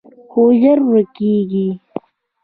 خو ژر ورکېږي